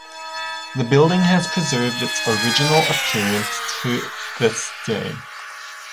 The building has preserved its original appearance to this day.